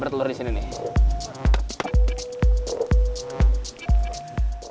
bertelur disini nih